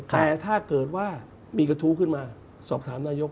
แต่ถ้าเกิดว่ามีกระทู้ขึ้นมาสอบถามนายก